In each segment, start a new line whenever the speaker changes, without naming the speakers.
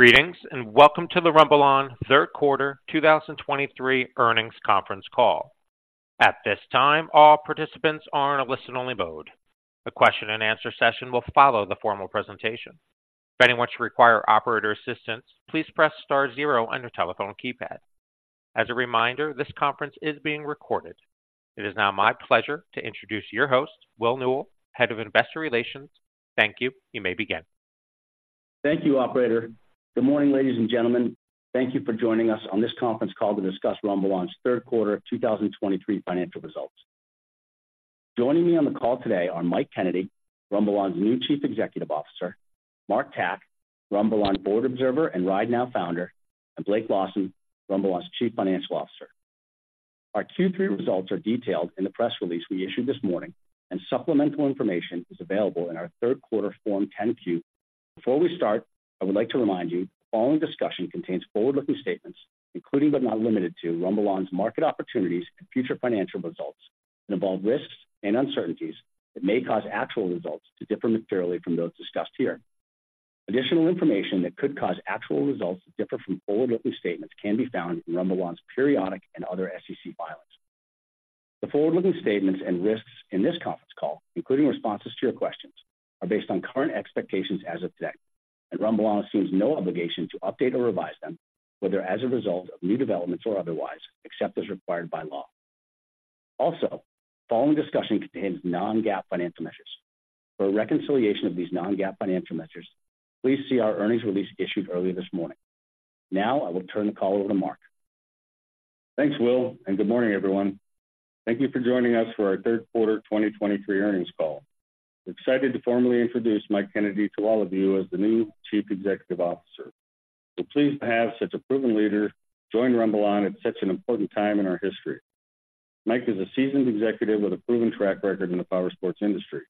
Greetings, and welcome to the RumbleOn Third Quarter 2023 Earnings Conference Call. At this time, all participants are in a listen-only mode. A question-and-answer session will follow the formal presentation. If anyone should require operator assistance, please press star zero on your telephone keypad. As a reminder, this conference is being recorded. It is now my pleasure to introduce your host, Will Newell, Head of Investor Relations. Thank you. You may begin.
Thank you, operator. Good morning, ladies and gentlemen. Thank you for joining us on this conference call to discuss RumbleOn's third quarter of 2023 financial results. Joining me on the call today are Mike Kennedy, RumbleOn's new Chief Executive Officer, Mark Tkach, RumbleOn Board Observer and RideNow Founder, and Blake Lawson, RumbleOn's Chief Financial Officer. Our Q3 results are detailed in the press release we issued this morning, and supplemental information is available in our third quarter Form 10-Q. Before we start, I would like to remind you, the following discussion contains forward-looking statements, including, but not limited to, RumbleOn's market opportunities and future financial results, and involve risks and uncertainties that may cause actual results to differ materially from those discussed here. Additional information that could cause actual results to differ from forward-looking statements can be found in RumbleOn's periodic and other SEC filings. The forward-looking statements and risks in this conference call, including responses to your questions, are based on current expectations as of today, and RumbleOn assumes no obligation to update or revise them, whether as a result of new developments or otherwise, except as required by law. Also, the following discussion contains non-GAAP financial measures. For a reconciliation of these non-GAAP financial measures, please see our earnings release issued earlier this morning. Now, I will turn the call over to Mark.
Thanks, Will, and good morning, everyone. Thank you for joining us for our third quarter 2023 earnings call. I'm excited to formally introduce Mike Kennedy to all of you as the new Chief Executive Officer. We're pleased to have such a proven leader join RumbleOn at such an important time in our history. Mike is a seasoned executive with a proven track record in the powersports industry.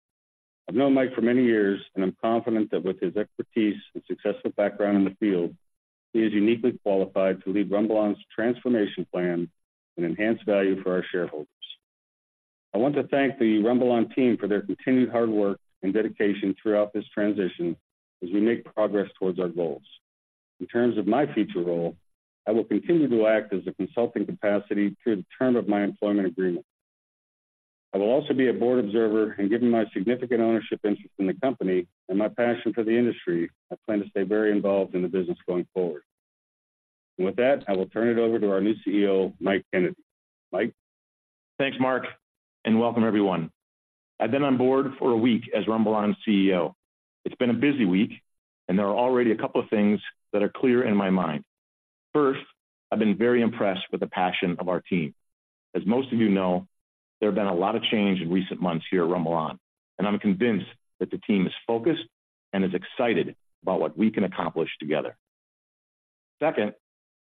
I've known Mike for many years, and I'm confident that with his expertise and successful background in the field, he is uniquely qualified to lead RumbleOn's transformation plan and enhance value for our shareholders. I want to thank the RumbleOn team for their continued hard work and dedication throughout this transition as we make progress towards our goals. In terms of my future role, I will continue to act as a consulting capacity through the term of my employment agreement. I will also be a board observer, and given my significant ownership interest in the company and my passion for the industry, I plan to stay very involved in the business going forward. With that, I will turn it over to our new CEO, Mike Kennedy. Mike?
Thanks, Mark, and welcome everyone. I've been on board for a week as RumbleOn's CEO. It's been a busy week, and there are already a couple of things that are clear in my mind. First, I've been very impressed with the passion of our team. As most of you know, there have been a lot of change in recent months here at RumbleOn, and I'm convinced that the team is focused and is excited about what we can accomplish together. Second,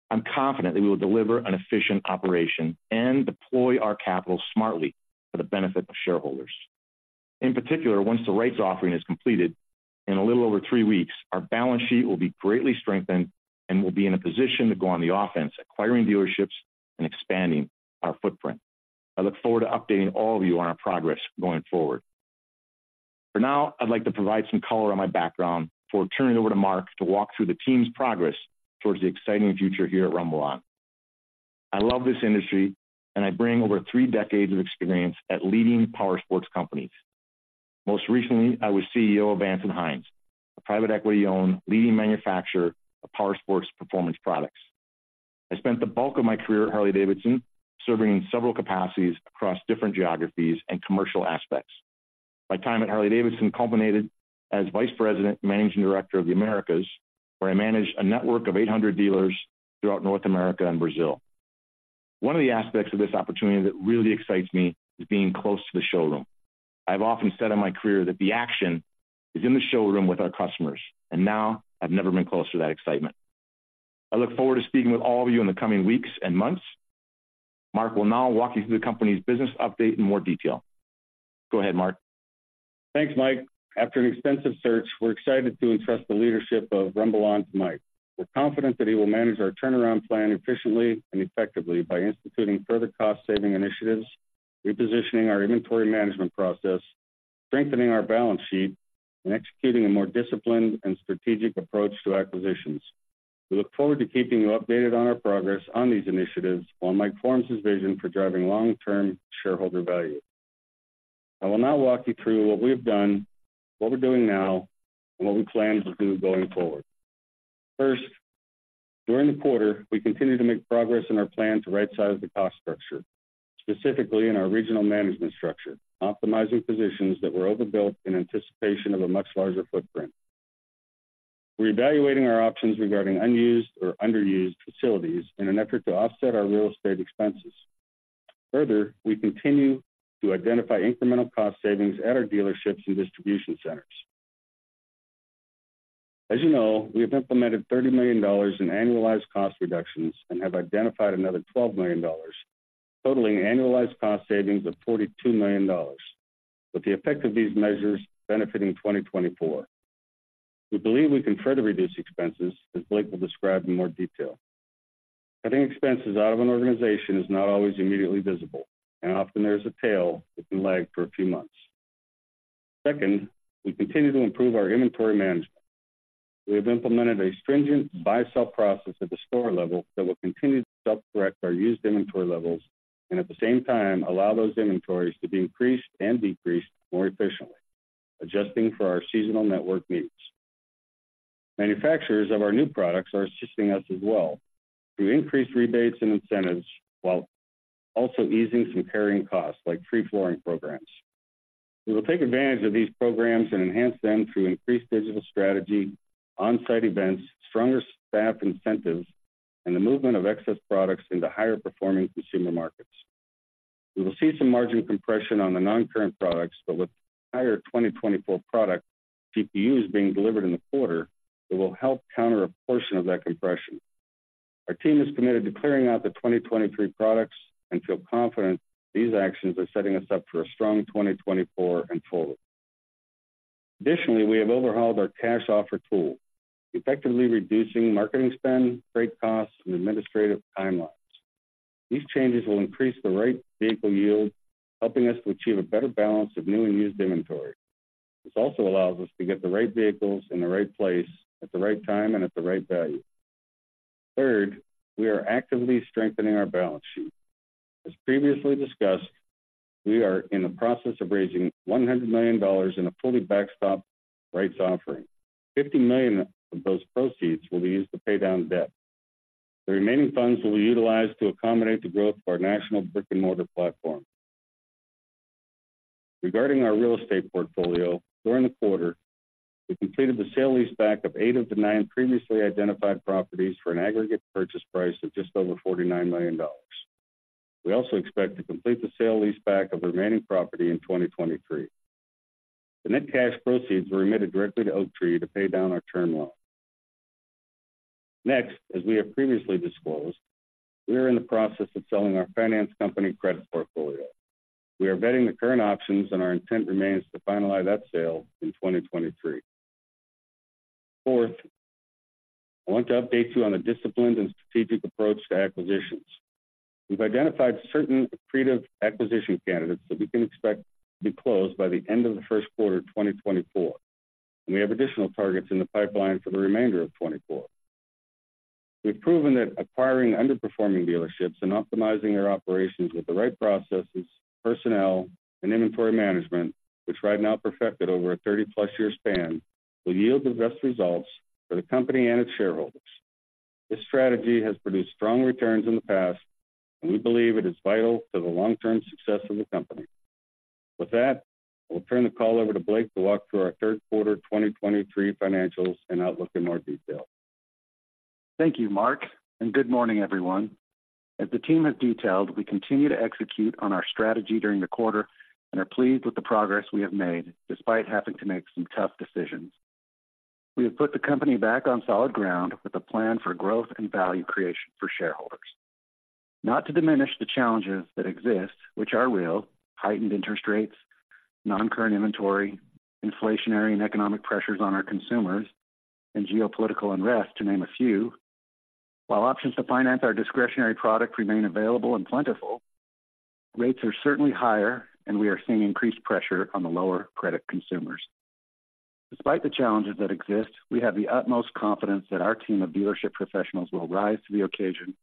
I'm confident that we will deliver an efficient operation and deploy our capital smartly for the benefit of shareholders. In particular, once the rights offering is completed in a little over three weeks, our balance sheet will be greatly strengthened and will be in a position to go on the offense, acquiring dealerships and expanding our footprint. I look forward to updating all of you on our progress going forward. For now, I'd like to provide some color on my background before turning it over to Mark to walk through the team's progress towards the exciting future here at RumbleOn. I love this industry, and I bring over three decades of experience at leading powersports companies. Most recently, I was CEO of Vance & Hines, a private equity-owned leading manufacturer of powersports performance products. I spent the bulk of my career at Harley-Davidson, serving in several capacities across different geographies and commercial aspects. My time at Harley-Davidson culminated as Vice President and Managing Director of the Americas, where I managed a network of 800 dealers throughout North America and Brazil. One of the aspects of this opportunity that really excites me is being close to the showroom. I've often said in my career that the action is in the showroom with our customers, and now I've never been closer to that excitement. I look forward to speaking with all of you in the coming weeks and months. Mark will now walk you through the company's business update in more detail. Go ahead, Mark.
Thanks, Mike. After an extensive search, we're excited to entrust the leadership of RumbleOn to Mike. We're confident that he will manage our turnaround plan efficiently and effectively by instituting further cost-saving initiatives, repositioning our inventory management process, strengthening our balance sheet, and executing a more disciplined and strategic approach to acquisitions. We look forward to keeping you updated on our progress on these initiatives while Mike forms his vision for driving long-term shareholder value. I will now walk you through what we have done, what we're doing now, and what we plan to do going forward. First, during the quarter, we continued to make progress in our plan to rightsize the cost structure, specifically in our regional management structure, optimizing positions that were overbuilt in anticipation of a much larger footprint. We're evaluating our options regarding unused or underused facilities in an effort to offset our real estate expenses. Further, we continue to identify incremental cost savings at our dealerships and distribution centers. As you know, we have implemented $30 million in annualized cost reductions and have identified another $12 million, totaling annualized cost savings of $42 million, with the effect of these measures benefiting 2024. We believe we can further reduce expenses, as Blake will describe in more detail. Cutting expenses out of an organization is not always immediately visible, and often there is a tail that can lag for a few months... Second, we continue to improve our inventory management. We have implemented a stringent buy-sell process at the store level that will continue to self-correct our used inventory levels and, at the same time, allow those inventories to be increased and decreased more efficiently, adjusting for our seasonal network needs. Manufacturers of our new products are assisting us as well through increased rebates and incentives, while also easing some carrying costs, like free flooring programs. We will take advantage of these programs and enhance them through increased digital strategy, on-site events, stronger staff incentives, and the movement of excess products into higher-performing consumer markets. We will see some margin compression on the non-current products, but with higher 2024 product GPUs being delivered in the quarter, it will help counter a portion of that compression. Our team is committed to clearing out the 2023 products and feel confident these actions are setting us up for a strong 2024 and forward. Additionally, we have overhauled our cash offer tool, effectively reducing marketing spend, freight costs, and administrative timelines. These changes will increase the right vehicle yield, helping us to achieve a better balance of new and used inventory. This also allows us to get the right vehicles in the right place at the right time and at the right value. Third, we are actively strengthening our balance sheet. As previously discussed, we are in the process of raising $100 million in a fully backstopped rights offering. $50 million of those proceeds will be used to pay down debt. The remaining funds will be utilized to accommodate the growth of our national brick-and-mortar platform. Regarding our real estate portfolio, during the quarter, we completed the sale-leaseback of eight of the nine previously identified properties for an aggregate purchase price of just over $49 million. We also expect to complete the sale-leaseback of the remaining property in 2023. The net cash proceeds were remitted directly to Oaktree to pay down our term loan. Next, as we have previously disclosed, we are in the process of selling our finance company credit portfolio. We are vetting the current options, and our intent remains to finalize that sale in 2023. Fourth, I want to update you on the disciplined and strategic approach to acquisitions. We've identified certain accretive acquisition candidates that we can expect to be closed by the end of the first quarter of 2024, and we have additional targets in the pipeline for the remainder of 2024. We've proven that acquiring underperforming dealerships and optimizing their operations with the right processes, personnel, and inventory management, which RideNow perfected over a 30-plus-year span, will yield the best results for the company and its shareholders. This strategy has produced strong returns in the past, and we believe it is vital to the long-term success of the company. With that, I will turn the call over to Blake to walk through our third quarter 2023 financials and outlook in more detail.
Thank you, Mark, and good morning, everyone. As the team has detailed, we continue to execute on our strategy during the quarter and are pleased with the progress we have made, despite having to make some tough decisions. We have put the company back on solid ground with a plan for growth and value creation for shareholders. Not to diminish the challenges that exist, which are real, heightened interest rates, non-current inventory, inflationary and economic pressures on our consumers, and geopolitical unrest, to name a few. While options to finance our discretionary product remain available and plentiful, rates are certainly higher, and we are seeing increased pressure on the lower-credit consumers. Despite the challenges that exist, we have the utmost confidence that our team of dealership professionals will rise to the occasion,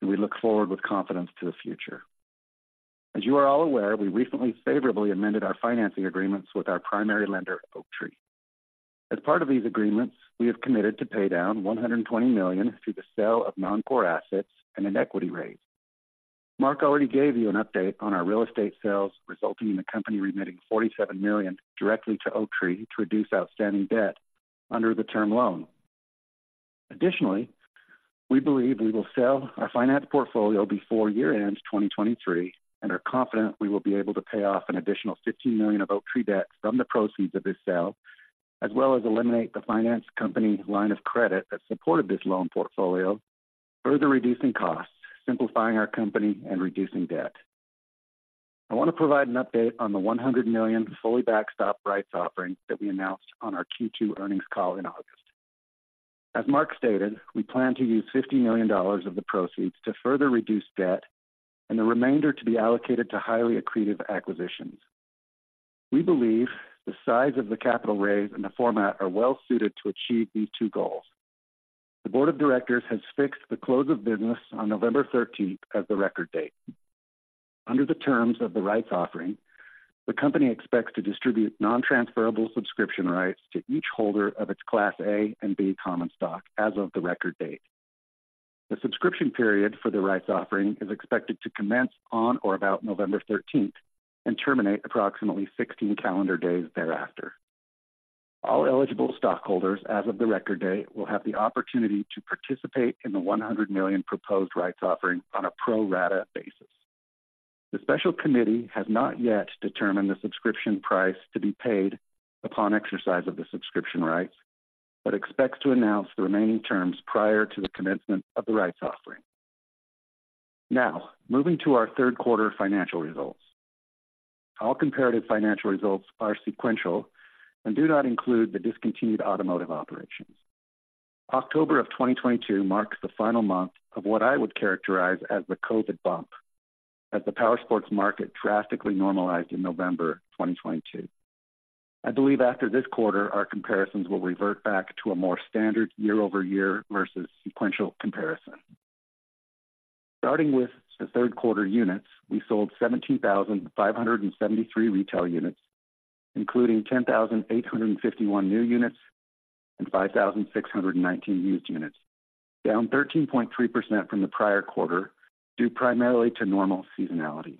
and we look forward with confidence to the future. As you are all aware, we recently favorably amended our financing agreements with our primary lender, Oaktree. As part of these agreements, we have committed to pay down $120 million through the sale of non-core assets and an equity raise. Mark already gave you an update on our real estate sales, resulting in the company remitting $47 million directly to Oaktree to reduce outstanding debt under the term loan. Additionally, we believe we will sell our finance portfolio before year-end 2023 and are confident we will be able to pay off an additional $15 million of Oaktree debt from the proceeds of this sale, as well as eliminate the finance company line of credit that supported this loan portfolio, further reducing costs, simplifying our company, and reducing debt. I want to provide an update on the $100 million fully backstopped rights offering that we announced on our Q2 earnings call in August. As Mark stated, we plan to use $50 million of the proceeds to further reduce debt and the remainder to be allocated to highly accretive acquisitions. We believe the size of the capital raise and the format are well-suited to achieve these two goals. The board of directors has fixed the close of business on November thirteenth as the record date. Under the terms of the rights offering, the company expects to distribute non-transferable subscription rights to each holder of its Class A and B Common Stock as of the record date. The subscription period for the rights offering is expected to commence on or about November 13th and terminate approximately 16 calendar days thereafter. All eligible stockholders as of the record date will have the opportunity to participate in the $100 million proposed rights offering on a pro-rata basis. The special committee has not yet determined the subscription price to be paid upon exercise of the subscription rights but expects to announce the remaining terms prior to the commencement of the rights offering. Now, moving to our third quarter financial results. All comparative financial results are sequential and do not include the discontinued automotive operations. October of 2022 marks the final month of what I would characterize as the COVID bump, as the powersports market drastically normalized in November 2022. I believe after this quarter, our comparisons will revert back to a more standard year-over-year versus sequential comparison. Starting with the third quarter units, we sold 17,573 retail units, including 10,851 new units and 5,619 used units, down 13.3% from the prior quarter, due primarily to normal seasonality.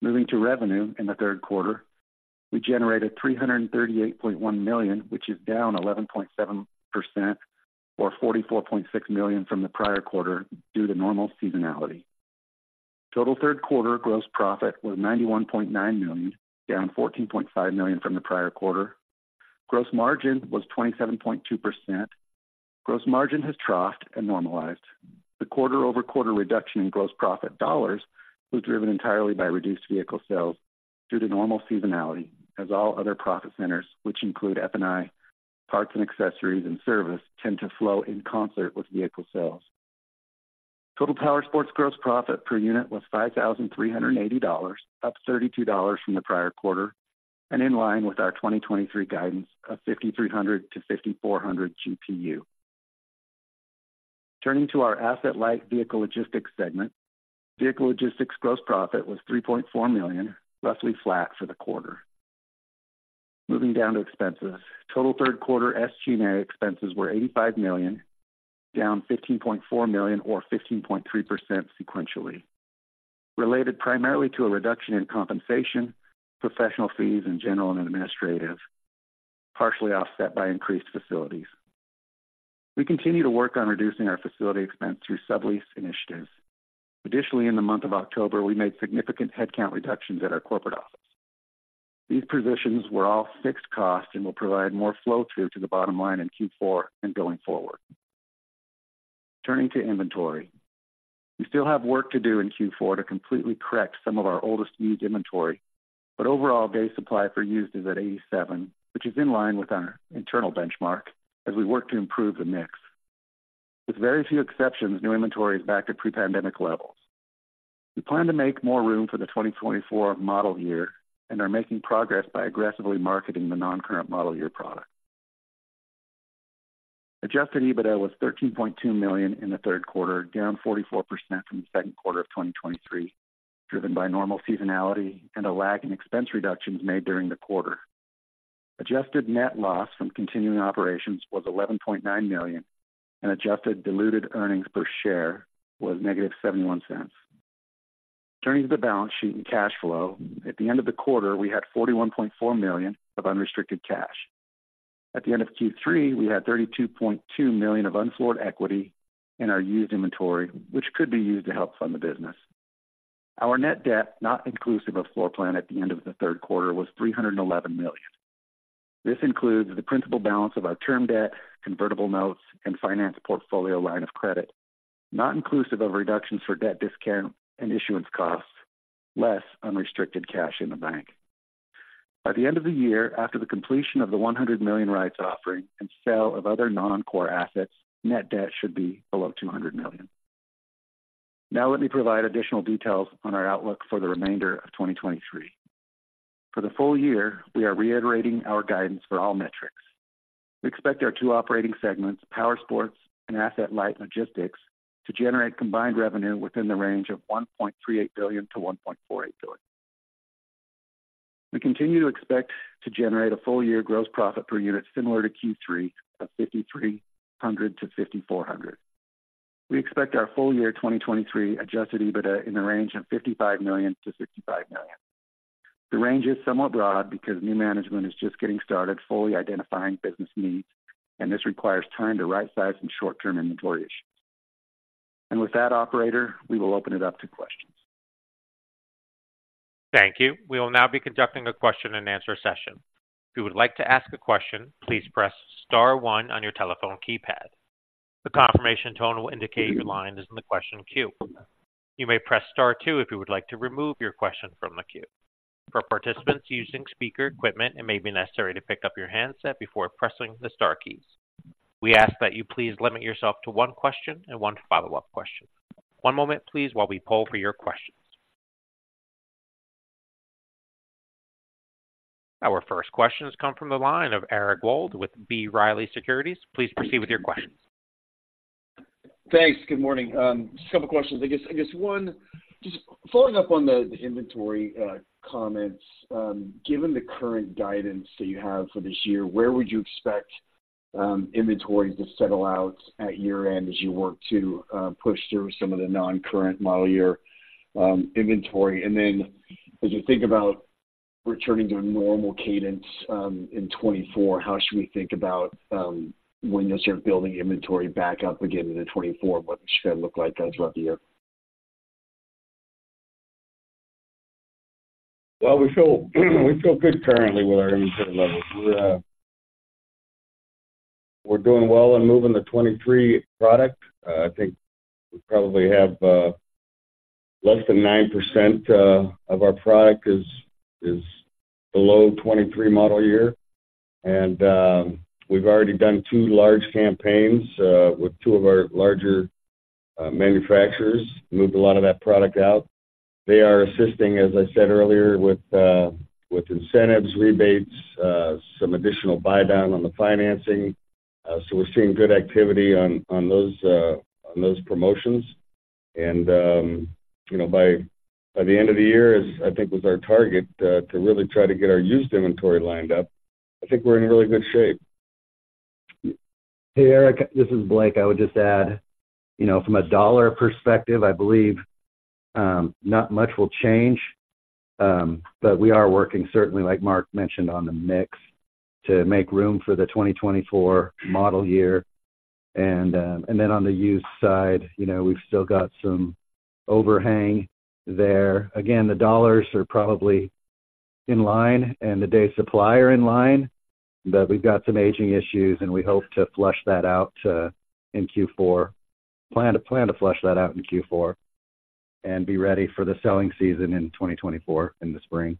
Moving to revenue in the third quarter, we generated $338.1 million, which is down 11.7% or $44.6 million from the prior quarter due to normal seasonality. Total third quarter gross profit was $91.9 million, down $14.5 million from the prior quarter. Gross margin was 27.2%. Gross margin has troughed and normalized. The quarter-over-quarter reduction in gross profit dollars was driven entirely by reduced vehicle sales due to normal seasonality, as all other profit centers, which include F&I, parts and accessories, and service, tend to flow in concert with vehicle sales. Total powersports gross profit per unit was $5,380, up $32 from the prior quarter and in line with our 2023 guidance of $5,300-$5,400 GPU. Turning to our asset-light vehicle logistics segment. Vehicle logistics gross profit was $3.4 million, roughly flat for the quarter. Moving down to expenses. Total third quarter SG&A expenses were $85 million, down $15.4 million or 15.3% sequentially, related primarily to a reduction in compensation, professional fees, and general and administrative, partially offset by increased facilities. We continue to work on reducing our facility expense through sublease initiatives. Additionally, in the month of October, we made significant headcount reductions at our corporate office. These positions were all fixed costs and will provide more flow-through to the bottom line in Q4 and going forward. Turning to inventory. We still have work to do in Q4 to completely correct some of our oldest used inventory, but overall, day supply for used is at 87, which is in line with our internal benchmark as we work to improve the mix. With very few exceptions, new inventory is back to pre-pandemic levels. We plan to make more room for the 2024 model year and are making progress by aggressively marketing the non-current model year product. Adjusted EBITDA was $13.2 million in the third quarter, down 44% from the second quarter of 2023, driven by normal seasonality and a lag in expense reductions made during the quarter. Adjusted Net Loss from continuing operations was $11.9 million, and adjusted diluted earnings per share was -$0.71. Turning to the balance sheet and cash flow. At the end of the quarter, we had $41.4 million of unrestricted cash. At the end of Q3, we had $32.2 million of unfloored equity in our used inventory, which could be used to help fund the business. Our Net Debt, not inclusive of Floor Plan at the end of the third quarter, was $311 million. This includes the principal balance of our term debt, convertible notes, and finance portfolio line of credit, not inclusive of reductions for debt discount and issuance costs, less unrestricted cash in the bank. By the end of the year, after the completion of the $100 million rights offering and sale of other non-core assets, Net Debt should be below $200 million. Now let me provide additional details on our outlook for the remainder of 2023. For the full year, we are reiterating our guidance for all metrics. We expect our two operating segments, Powersports and asset-light logistics, to generate combined revenue within the range of $1.38 billion-$1.48 billion. We continue to expect to generate a full-year gross profit per unit similar to Q3 of $5,300-$5,400. We expect our full-year 2023 Adjusted EBITDA in the range of $55 million-$65 million. The range is somewhat broad because new management is just getting started fully identifying business needs, and this requires time to rightsize and short-term inventory issues. With that, operator, we will open it up to questions.
Thank you. We will now be conducting a question-and-answer session. If you would like to ask a question, please press star one on your telephone keypad. The confirmation tone will indicate your line is in the question queue. You may press star two if you would like to remove your question from the queue. For participants using speaker equipment, it may be necessary to pick up your handset before pressing the star keys. We ask that you please limit yourself to one question and one follow-up question. One moment, please, while we poll for your questions. Our first question has come from the line of Eric Wold with B. Riley Securities. Please proceed with your questions.
Thanks. Good morning. Just a couple of questions. I guess, I guess one, just following up on the, the inventory, comments. Given the current guidance that you have for this year, where would you expect, inventory to settle out at year-end as you work to, push through some of the non-current model year, inventory? And then as you think about returning to a normal cadence, in 2024, how should we think about, when you'll start building inventory back up again into 2024, and what it should look like throughout the year?
Well, we feel, we feel good currently with our inventory levels. We, we're doing well in moving the 2023 product. I think we probably have, less than 9% of our product is below 2023 model year. And we've already done two large campaigns with two of our larger manufacturers, moved a lot of that product out. They are assisting, as I said earlier, with incentives, rebates, some additional buy down on the financing. So we're seeing good activity on those promotions. And you know, by the end of the year is, I think, was our target to really try to get our used inventory lined up. I think we're in really good shape.
Hey, Eric, this is Blake. I would just add, you know, from a dollar perspective, I believe, not much will change. But we are working, certainly, like Mark mentioned, on the mix, to make room for the 2024 model year. And then on the used side, you know, we've still got some overhang there. Again, the dollars are probably in line and the day supply are in line, but we've got some aging issues, and we hope to flush that out in Q4. Plan to, plan to flush that out in Q4 and be ready for the selling season in 2024, in the spring.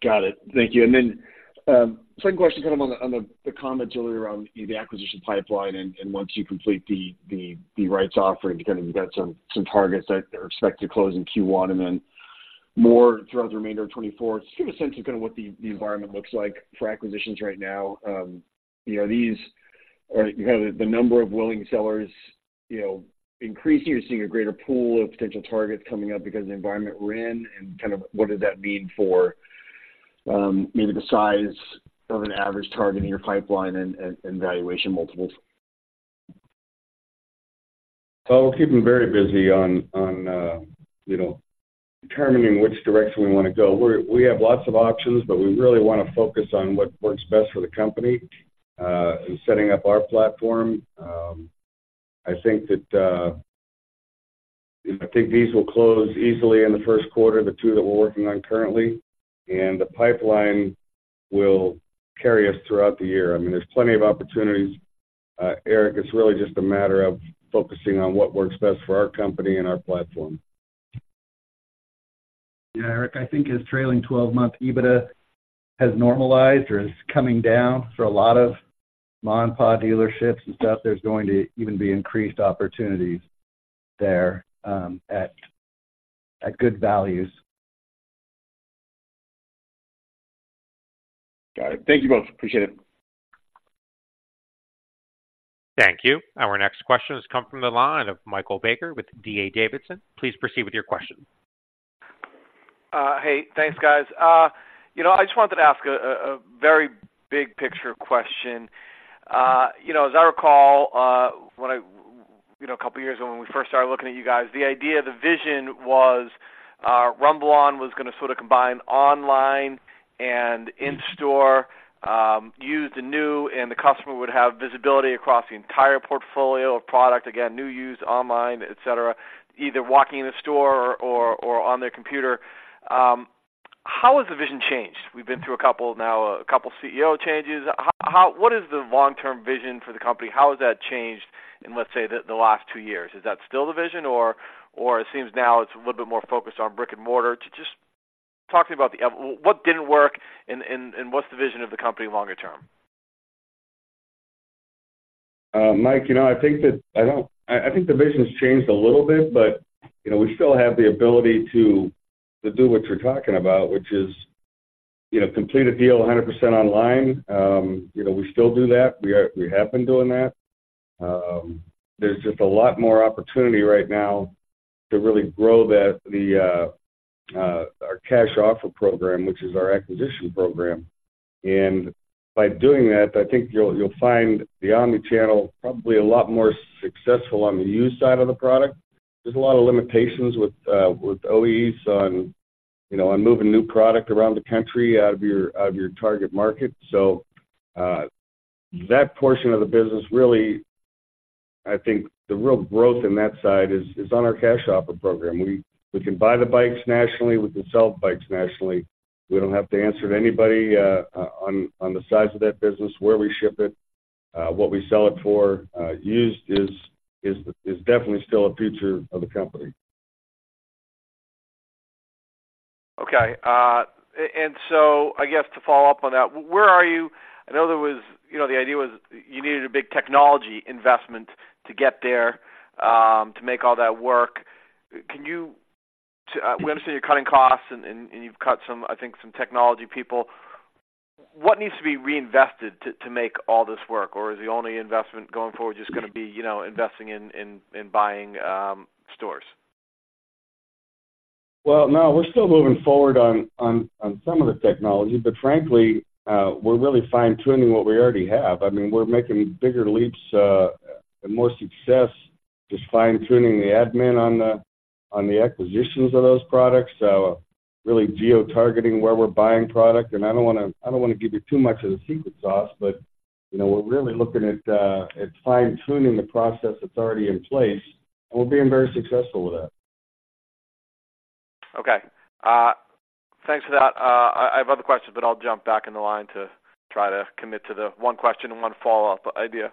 Got it. Thank you. And then, second question, kind of on the comments earlier around the acquisition pipeline and once you complete the rights offering, you kind of, you've got some targets that are expected to close in Q1, and then more throughout the remainder of 2024. Just give a sense of kind of what the environment looks like for acquisitions right now. You know, these are kind of the number of willing sellers, you know, increasing. You're seeing a greater pool of potential targets coming up because the environment we're in, and kind of what does that mean for maybe the size of an average target in your pipeline and valuation multiples?
Well, we're keeping very busy on you know, determining which direction we want to go. We have lots of options, but we really want to focus on what works best for the company in setting up our platform. I think that I think these will close easily in the first quarter, the two that we're working on currently, and the pipeline will carry us throughout the year. I mean, there's plenty of opportunities, Eric, it's really just a matter of focusing on what works best for our company and our platform.
Yeah, Eric, I think his trailing twelve-month EBITDA has normalized or is coming down for a lot of mom-and-pop dealerships and stuff. There's going to even be increased opportunities there, at good values.
Got it. Thank you both. Appreciate it.
Thank you. Our next question has come from the line of Michael Baker with D.A. Davidson. Please proceed with your question.
Hey, thanks, guys. You know, I just wanted to ask a very big picture question. You know, as I recall, when I, you know, a couple of years ago, when we first started looking at you guys, the idea, the vision was, RumbleOn was gonna sort of combine online and in-store, used and new, and the customer would have visibility across the entire portfolio of product, again, new, used, online, etc., either walking in the store or on their computer. How has the vision changed? We've been through a couple now, a couple CEO changes. How, What is the long-term vision for the company? How has that changed in, let's say, the last two years? Is that still the vision, or it seems now it's a little bit more focused on brick-and-mortar? Just talk to me about what didn't work and what's the vision of the company longer term?
Mike, you know, I think the vision's changed a little bit, but, you know, we still have the ability to do what you're talking about, which is, you know, complete a deal 100% online. You know, we still do that. We have been doing that. There's just a lot more opportunity right now to really grow our cash offer program, which is our acquisition program. And by doing that, I think you'll find the omni-channel probably a lot more successful on the used side of the product. There's a lot of limitations with OEs on, you know, on moving new product around the country, out of your target market. So, that portion of the business, really, I think the real growth in that side is on our cash offer program. We can buy the bikes nationally, we can sell bikes nationally. We don't have to answer to anybody, on the size of that business, where we ship it, what we sell it for. Used is definitely still a future of the company.
Okay, and so I guess to follow up on that, where are you? I know there was, you know, the idea was you needed a big technology investment to get there, to make all that work. Can you, we understand you're cutting costs and you've cut some, I think, some technology people. What needs to be reinvested to make all this work? Or is the only investment going forward just gonna be, you know, investing in buying stores?
Well, no, we're still moving forward on some of the technology, but frankly, we're really fine-tuning what we already have. I mean, we're making bigger leaps and more success just fine-tuning the admin on the acquisitions of those products. So really geo-targeting where we're buying product, and I don't wanna, I don't wanna give you too much of the secret sauce, but, you know, we're really looking at fine-tuning the process that's already in place, and we're being very successful with that.
Okay, thanks for that. I, I have other questions, but I'll jump back in the line to try to commit to the one question and one follow-up idea.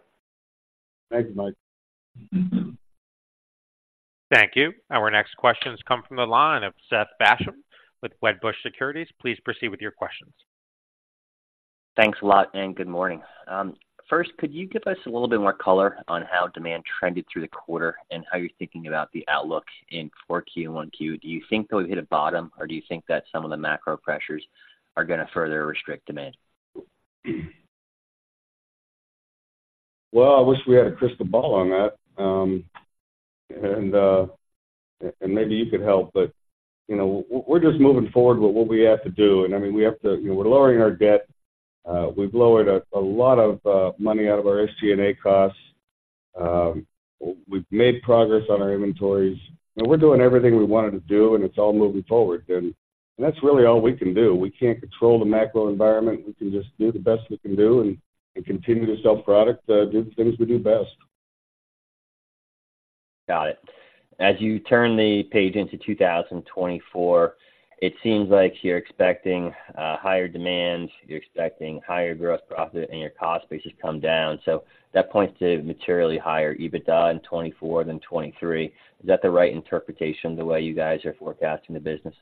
Thanks, Mike.
Thank you. Our next question has come from the line of Seth Basham with Wedbush Securities. Please proceed with your questions.
Thanks a lot, and good morning. First, could you give us a little bit more color on how demand trended through the quarter and how you're thinking about the outlook in 4Q 1Q? Do you think that we've hit a bottom, or do you think that some of the macro pressures are gonna further restrict demand?
Well, I wish we had a crystal ball on that. And maybe you could help, but, you know, we're just moving forward with what we have to do, and, I mean, we have to. You know, we're lowering our debt. We've lowered a lot of money out of our SG&A costs. We've made progress on our inventories. We're doing everything we wanted to do, and it's all moving forward, and that's really all we can do. We can't control the macro environment. We can just do the best we can do and continue to sell product, do the things we do best.
Got it. As you turn the page into 2024, it seems like you're expecting higher demand, you're expecting higher gross profit, and your cost base has come down. So that points to materially higher EBITDA in 2024 than 2023. Is that the right interpretation, the way you guys are forecasting the business?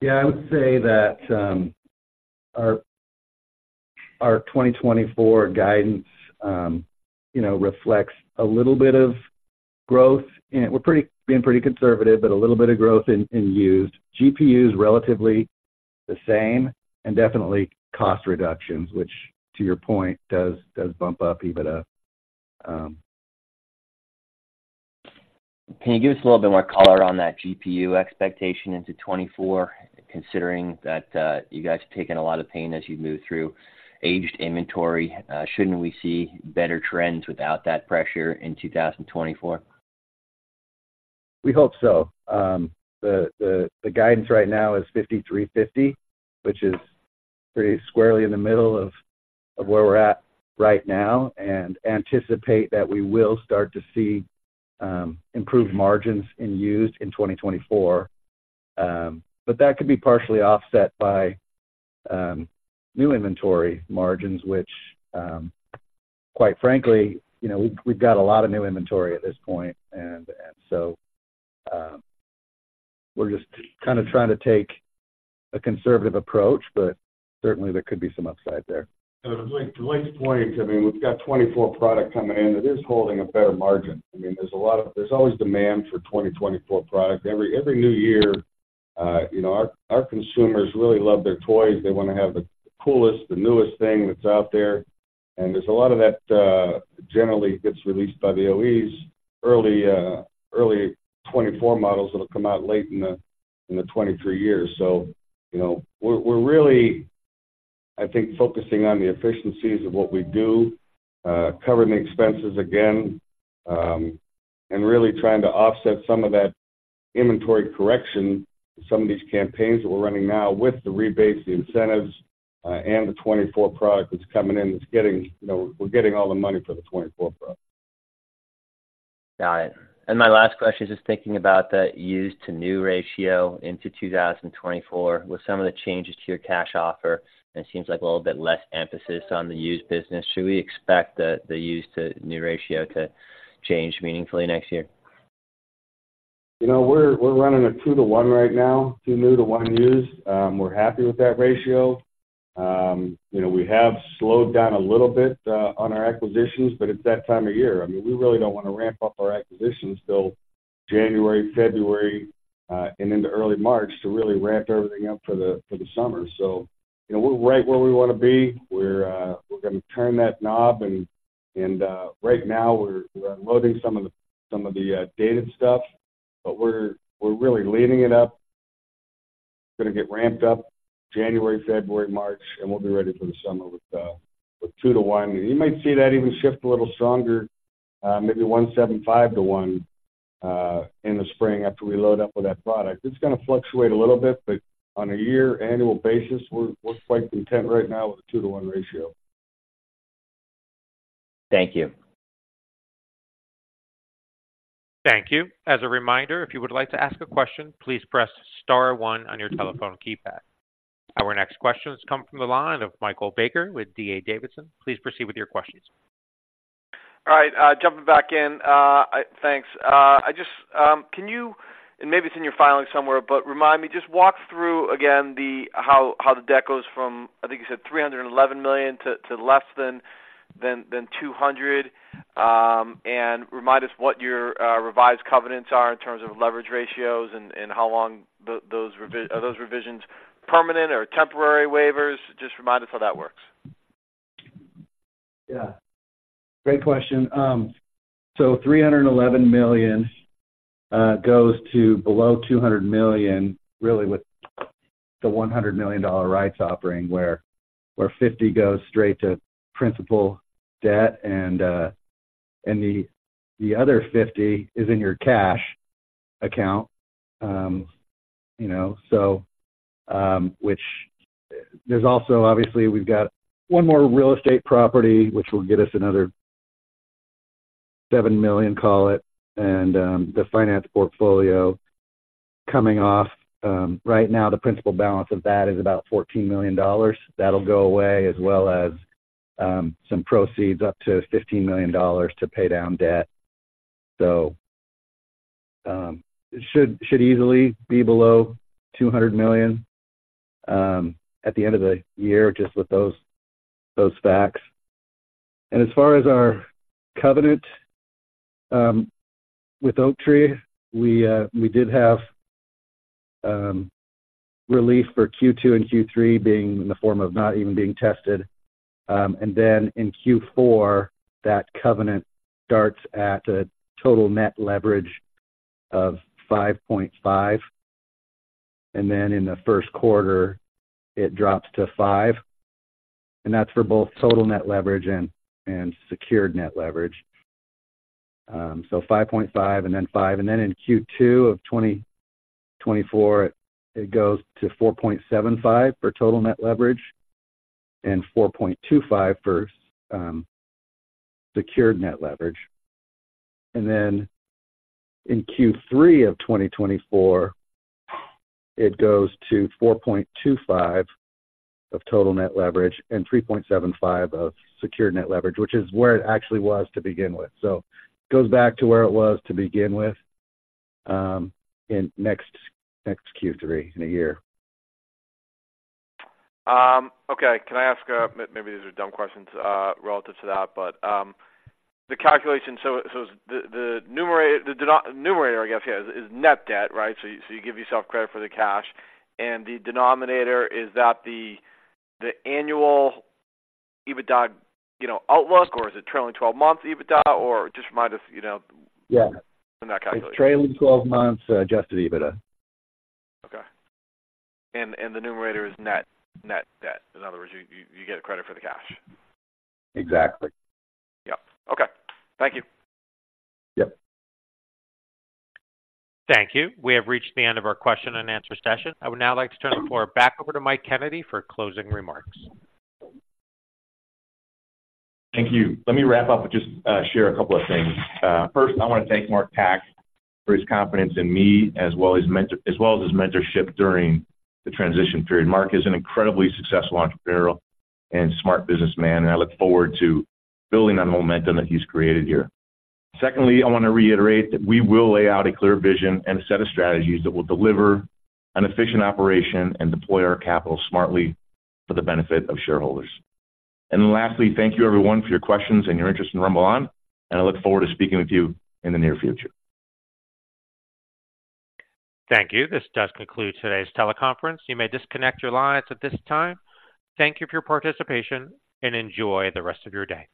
Yeah, I would say that our 2024 guidance, you know, reflects a little bit of growth, and we're being pretty conservative, but a little bit of growth in used. GPU is relatively the same and definitely cost reductions, which, to your point, does bump up EBITDA.
Can you give us a little bit more color on that GPU expectation into 2024, considering that, you guys have taken a lot of pain as you've moved through aged inventory? Shouldn't we see better trends without that pressure in 2024?
We hope so. The guidance right now is $5,350, which is pretty squarely in the middle of where we're at right now, and anticipate that we will start to see improved margins in used in 2024. But that could be partially offset by new inventory margins, which quite frankly, you know, we, we've got a lot of new inventory at this point, and so we're just kind of trying to take a conservative approach, but certainly, there could be some upside there.
To Blake, to Blake's point, I mean, we've got 2024 product coming in that is holding a better margin. I mean, there's a lot of, there's always demand for 2024 product. Every new year, you know, our consumers really love their toys. They want to have the coolest, the newest thing that's out there, and there's a lot of that, generally gets released by the OEs. Early, early 2024 models that'll come out late in the, in the 2023 years. So, you know, we're really, I think, focusing on the efficiencies of what we do, covering the expenses again, and really trying to offset some of that inventory correction, some of these campaigns that we're running now with the rebates, the incentives, and the 2024 product that's coming in, that's getting, you know, we're getting all the money for the 24 product.
Got it. My last question is just thinking about the used to new ratio into 2024. With some of the changes to your cash offer, and it seems like a little bit less emphasis on the used business, should we expect the used to new ratio to change meaningfully next year?
You know, we're running a 2-to-1 right now, 2 new to 1 used. We're happy with that ratio. You know, we have slowed down a little bit on our acquisitions, but it's that time of year. I mean, we really don't want to ramp up our acquisitions till January, February, and into early March to really ramp everything up for the summer. So, you know, we're right where we want to be. We're gonna turn that knob, and right now, we're unloading some of the dated stuff, but we're really leading it up. Gonna get ramped up January, February, March, and we'll be ready for the summer with 2-to-1. You might see that even shift a little stronger, maybe 1.75-to-1, in the spring, after we load up with that product. It's gonna fluctuate a little bit, but on a year annual basis, we're, we're quite content right now with a 2-to-1 ratio.
Thank you.
Thank you. As a reminder, if you would like to ask a question, please press star one on your telephone keypad. Our next question has come from the line of Michael Baker with D.A. Davidson. Please proceed with your questions.
All right, jumping back in, thanks. I just can you- and maybe it's in your filing somewhere, but remind me, just walk through again the- how the debt goes from, I think you said, $311 million to less than $200 million. And remind us what your revised covenants are in terms of leverage ratios and how long those- Are those revisions permanent or temporary waivers? Just remind us how that works.
Yeah, great question. So $311 million goes to below $200 million, really with the $100 million rights offering, where $50 goes straight to principal debt and the other $50 is in your cash account. You know, so which there's also, obviously, we've got one more real estate property, which will get us another $7 million, call it, and the finance portfolio coming off. Right now, the principal balance of that is about $14 million. That'll go away, as well as some proceeds up to $15 million to pay down debt. So it should easily be below $200 million at the end of the year, just with those facts. As far as our covenant with Oaktree, we did have relief for Q2 and Q3 being in the form of not even being tested. And then in Q4, that covenant starts at a total net leverage of 5.5, and then in the first quarter, it drops to 5, and that's for both total net leverage and secured net leverage. So 5.5 and then 5, and then in Q2 of 2024, it goes to 4.75 for total net leverage and 4.25 for secured net leverage. And then in Q3 of 2024, it goes to 4.25 for total net leverage and 3.75 for secured net leverage, which is where it actually was to begin with. It goes back to where it was to begin with, in next, next Q3, in a year.
Okay. Can I ask, maybe these are dumb questions, relative to that, but, the calculation, so the numerator, I guess, yeah, is Net Debt, right? So you give yourself credit for the cash, and the denominator, is that the annual EBITDA, you know, outlook, or is it trailing twelve-month EBITDA, or just remind us, you know-
Yeah.
In that calculation.
It's trailing twelve months Adjusted EBITDA.
Okay. And the numerator is Net Debt. In other words, you get a credit for the cash.
Exactly.
Yep. Okay. Thank you.
Yep.
Thank you. We have reached the end of our question-and-answer session. I would now like to turn the floor back over to Mike Kennedy for closing remarks.
Thank you. Let me wrap up with just share a couple of things. First, I want to thank Mark Tkach for his confidence in me, as well as his mentorship during the transition period. Mark is an incredibly successful entrepreneurial and smart businessman, and I look forward to building on the momentum that he's created here. Secondly, I want to reiterate that we will lay out a clear vision and a set of strategies that will deliver an efficient operation and deploy our capital smartly for the benefit of shareholders. Lastly, thank you everyone for your questions and your interest in RumbleOn, and I look forward to speaking with you in the near future.
Thank you. This does conclude today's teleconference. You may disconnect your lines at this time. Thank you for your participation, and enjoy the rest of your day.